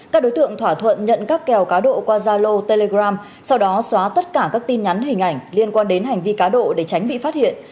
các đối tượng thỏa thuận nhận các kèo cá độ qua zalo telegram sau đó xóa tất cả các tin nhắn hình ảnh liên quan đến hành vi cá độ để tránh bị phát hiện